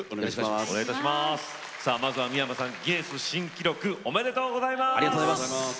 まずは三山さんギネス新記録おめでとうございます。